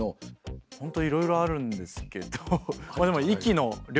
本当いろいろあるんですけど息の量とか。